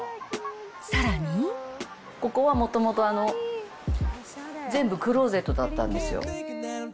ここは、もともと全部、クローゼットだったんですよ。